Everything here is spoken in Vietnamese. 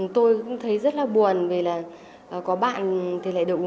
tôi cũng thấy rất là buồn vì là có bạn thì lại đổ uống sữa